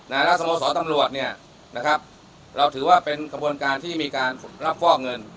แล้วสโมสรตำรวจเนี่ยนะครับเราถือว่าเป็นกระบวนการที่มีการรับฟอกเงิน